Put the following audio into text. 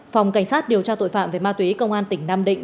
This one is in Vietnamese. phòng cảnh sát điều tra tội phạm về ma túy công an tỉnh nam định